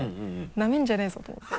「なめんじゃねぇぞ」と思って。